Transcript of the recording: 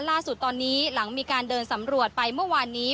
ล่าสุดตอนนี้หลังมีการเดินสำรวจไปเมื่อวานนี้